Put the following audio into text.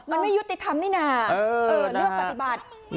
มันไม่ยุติธรรมนี่นะเลือกปฏิบัติ